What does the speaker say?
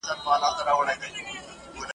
سپورټ د انسان خوښي زیاتوي.